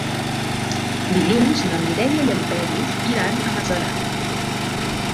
Dilluns na Mireia i en Peris iran a Masarac.